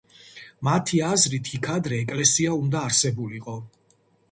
მათი აზრით იქ ადრე ეკლესია უნდა არსებულიყო.